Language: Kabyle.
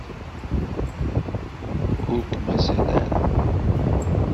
Ur k-mazal ara da.